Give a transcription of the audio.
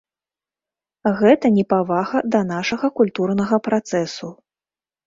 Гэта непавага да нашага культурнага працэсу.